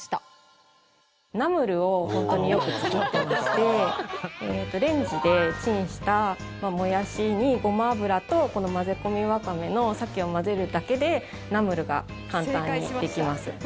ナムルを本当によく作っていましてレンジでチンしたモヤシにごま油と「混ぜ込みわかめ鮭」を混ぜるだけでナムルが簡単にできます。